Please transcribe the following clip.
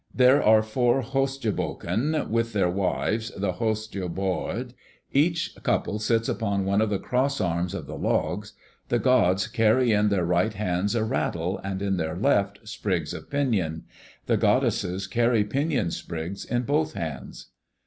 There are four Hostjobokon, with their wives, the Hostjoboard. Each couple sits upon one of the cross arms of the logs. The gods carry in their right hands a rattle, and in their left sprigs of pinon; the goddesses carry pinon sprigs in both hands.